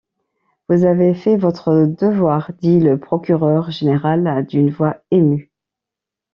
Vous avez fait votre devoir, dit le procureur général d’une voix émue.